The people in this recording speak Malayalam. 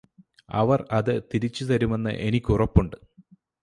അവർ അത് തിരിച്ചു തരുമെന്ന് എനിക്ക് ഉറപ്പുണ്ട്